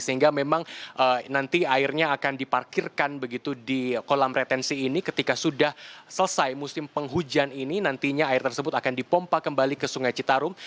sehingga memang nanti airnya akan diparkirkan begitu di kolam retensi ini ketika sudah selesai musim penghujan ini nantinya air tersebut akan dipompa kembali ke sungai citarum